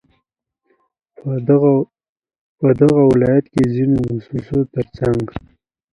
په دغه ولايت كې د ځينو مؤسسو ترڅنگ